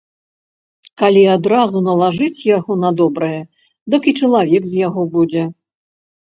Калі адразу налажыць яго на добрае, дык і чалавек з яго будзе.